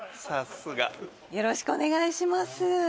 さすがよろしくお願いします